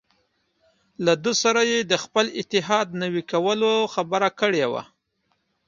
له ده سره یې د خپل اتحاد نوي کولو خبره کړې وه.